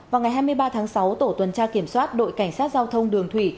vào ngày hai mươi ba tháng sáu tổ tuần tra kiểm soát đội cảnh sát giao thông đường thủy